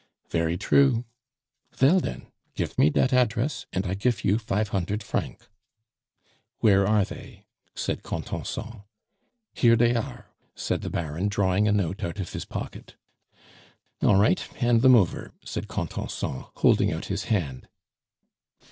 "Very true." "Vell den, gif me dat address, and I gif you fife hundert franc." "Where are they?" said Contenson. "Here dey are," said the Baron, drawing a note out of his pocket. "All right, hand them over," said Contenson, holding out his hand.